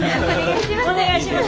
お願いします。